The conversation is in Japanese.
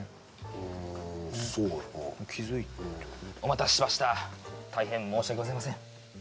うんそうやなお待たせしました大変申し訳ございません